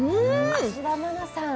芦田愛菜さん